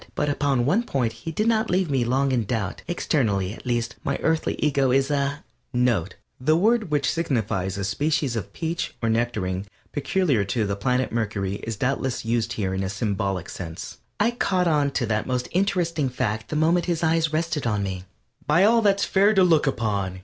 But upon one point he did not leave me long in doubt. Externally, at least, my Earthly Ego is a (NOTE: _The word which signifies a species of peach or nectarine peculiar to the planet Mercury is doubtless used here in a symbolic sense._) I caught on to that most interesting fact the moment his eyes rested on me. "By all that's fair to look upon!"